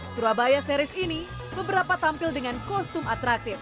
surabaya series ini beberapa tampil dengan kostum atraktif